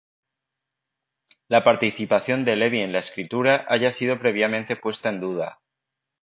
La participación de Levy en la escritura haya sido previamente puesto en duda.